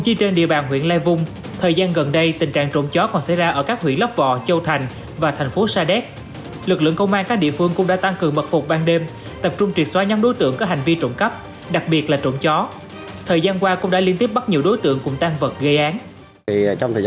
công an các địa phương cũng đã tăng cường mật phục ban đêm tập trung triệt xóa nhóm đối tượng có hành vi trộm cấp đặc biệt là trộm chó